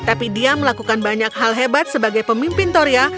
tapi dia melakukan banyak hal hebat sebagai pemimpin toria